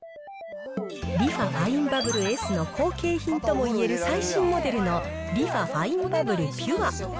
リファファインバブルＳの後継品ともいえる最新モデルのリファファインバブルピュア。